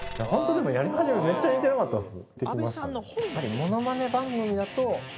やり始めた時めっちゃ似てなかったんです。